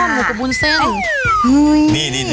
หมูกับบุญเส้น